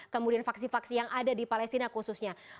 kemudian faksi faksi yang ada di palestina khususnya